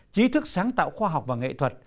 chí thức sáng tạo khoa học và nghệ thuật